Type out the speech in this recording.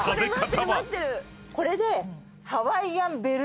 これで。